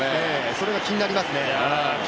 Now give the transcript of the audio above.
それが気になりますね。